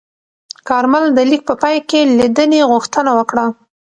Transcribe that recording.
کارمل د لیک په پای کې لیدنې غوښتنه وکړه.